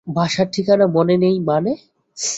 বাসার ঠিকানা মনে নেই মানে?